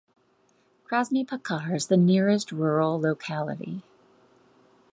Krasny Pakhar is the nearest rural locality.